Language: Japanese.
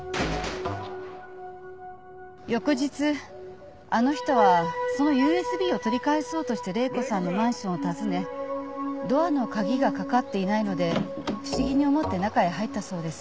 翌日あの人はそのＵＳＢを取り返そうとして礼子さんのマンションを訪ねドアの鍵がかかっていないので不思議に思って中へ入ったそうです。